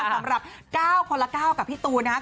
สำหรับ๙คนละ๙กับพี่ตูนนะครับ